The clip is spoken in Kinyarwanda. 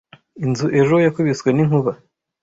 Inzu ejo yakubiswe n'inkuba.